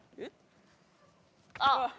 あっ。